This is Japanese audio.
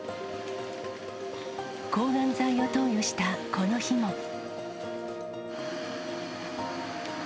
抗がん剤を投与したこの日も。